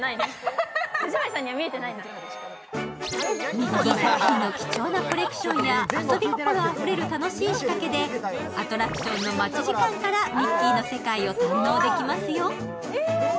ミッキー作品の貴重なコレクションや遊び心あふれる楽しい仕掛けでアトラクションの待ち時間からミッキーの世界を堪能できますよ。